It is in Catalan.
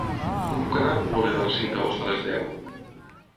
Com puc anar a Poboleda el cinc d'agost a les deu?